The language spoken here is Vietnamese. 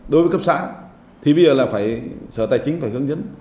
đối với cấp xã thì bây giờ là phải sở tài chính phải hướng dẫn